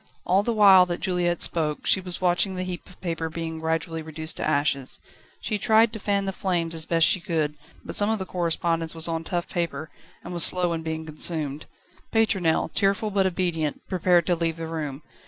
All the while that Juliette spoke, she was watching the heap of paper being gradually reduced to ashes. She tried to fan the flames as best she could, but some of the correspondence was on tough paper, and was slow in being consumed. Pétronelle, tearful but obedient, prepared to leave the room.